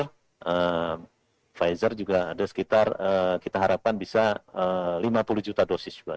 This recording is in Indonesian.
karena pfizer juga ada sekitar kita harapkan bisa lima puluh juta dosis juga